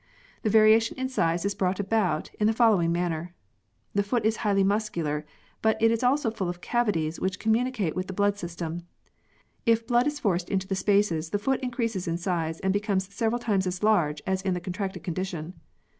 The variation in size is brought about in the following manner. The foot is highly muscular, but it is also full of cavities which communicate with the blood system. If blood is forced into the spaces the foot increases in size and becomes several times as large as in the contracted condition.